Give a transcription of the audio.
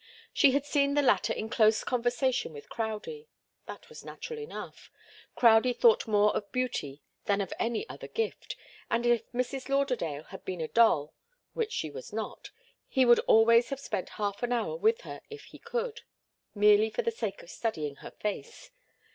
She had seen the latter in close conversation with Crowdie. That was natural enough. Crowdie thought more of beauty than of any other gift, and if Mrs. Lauderdale had been a doll, which she was not, he would always have spent half an hour with her if he could, merely for the sake of studying her face.